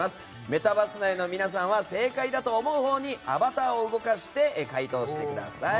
メタバース内の皆さんは正解だと思うほうにアバターを動かして解答してください。